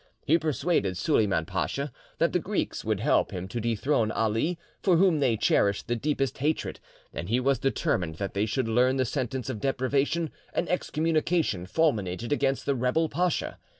He persuaded Suleyman Pacha that the Greeks would help him to dethrone Ali, for whom they cherished the deepest hatred, and he was determined that they should learn the sentence of deprivation and excommunication fulminated against the rebel pacha.